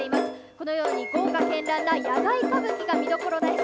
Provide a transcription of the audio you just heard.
このように豪華けんらんな野外歌舞伎が見どころです。